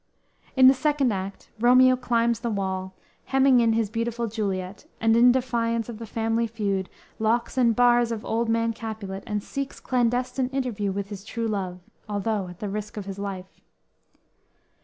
In the second act Romeo climbs the wall, hemming in his beautiful Juliet, and in defiance of the family feud, locks and bars of old man Capulet, and seeks a clandestine interview with his true love, although at the risk of his life.